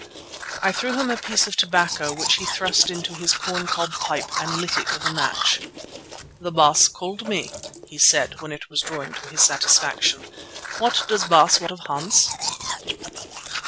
I threw him a piece of tobacco which he thrust into his corn cob pipe and lit with a match. "The Baas called me," he said when it was drawing to his satisfaction, "what does Baas want of Hans?"